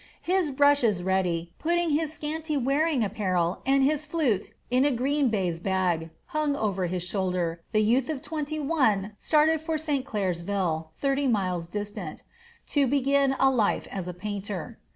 His brushes ready, putting his scanty wearing apparel and his flute in a green baize bag, hung over his shoulder, the youth of twenty one started for St. Clairsville, thirty miles distant, to begin life as a painter.